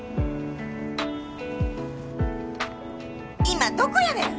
「今どこやねん！？